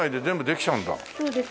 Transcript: そうです。